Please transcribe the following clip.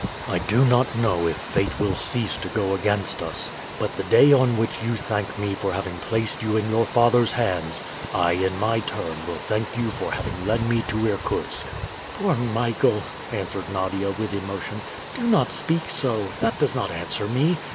I do not know if fate will cease to go against us; but the day on which you thank me for having placed you in your father's hands, I in my turn will thank you for having led me to Irkutsk." "Poor Michael!" answered Nadia, with emotion. "Do not speak so. That does not answer me.